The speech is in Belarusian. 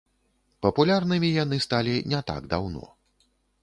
Папулярнымі яны сталі не так даўно.